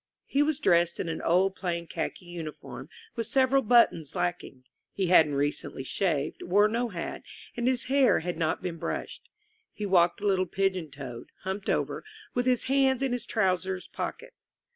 He was dressed in an old plain khaki uniform, with several buttons lacking. He hadn't recently shaved, wore no hat, and his hair had not been brushed. He walked a little pigeon toed, humped over, with his hands in his trousers pockets.